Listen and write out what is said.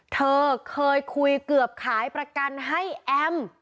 เธอเคยคุยเกือบขายประกันให้แอม